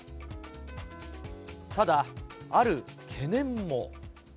ただ、ある懸念も。